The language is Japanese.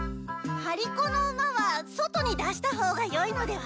張り子の馬は外に出したほうがよいのでは？